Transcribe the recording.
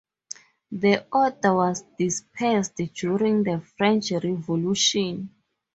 The Order was dispersed during the French Revolution.